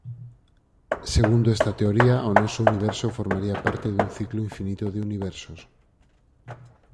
Segundo esta teoría o noso universo formaría parte dun ciclo infinito de universos.